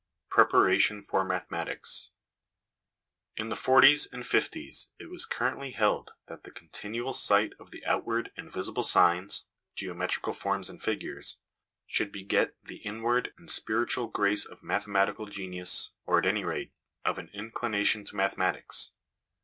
1 Preparation for Mathematics. In the ' forties ' and ' fifties ' it was currently held that the continual sight of the outward and visible signs (geometrical forms and figures) should beget the inward and spiritual grace of mathematical genius, or, at any rate, of an inclination to mathematics.